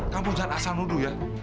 kamu jangan asal dulu ya